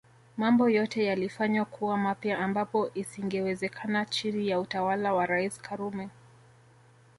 Mambo yote yalifanywa kuwa mapya ambapo isingewezekana chini ya utawala wa Rais Karume